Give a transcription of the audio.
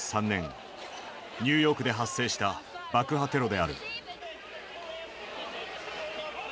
ニューヨークで発生した爆破テロである。